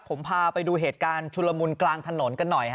ผมพาไปดูเหตุการณ์ชุลมุนกลางถนนกันหน่อย